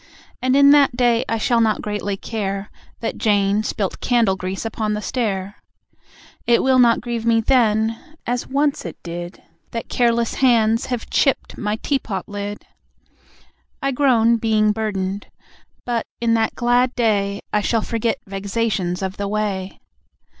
And, in that day, I shall not greatly care That Jane spilt candle grease upon the stair. It will not grieve me then, as once it did, That careless hands have chipped my teapot lid. I groan, being burdened. But, in that glad day, I shall forget vexations of the way.